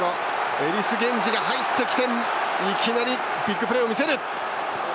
エリス・ゲンジが入ってきていきなりビッグプレー。